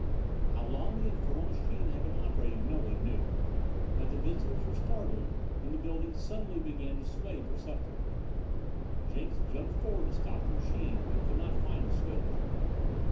How long the infernal machine had been operating no one knew, but the visitors were startled when the building suddenly began to sway perceptibly. Jenks jumped forward to stop the machine but could not find a switch.